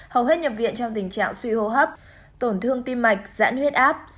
hầu hết nhập viện trong tình trạng suy hô hấp tổn thương tim mạch dãn huyết áp